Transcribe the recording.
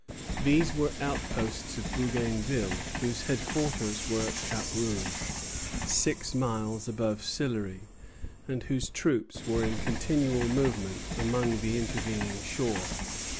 These were outposts of Bougainville, whose headquarters were at Cap Rouge, six miles above Sillery, and whose troops were in continual movement along the intervening shore.